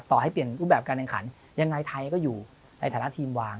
ให้เปลี่ยนรูปแบบการแข่งขันยังไงไทยก็อยู่ในฐานะทีมวาง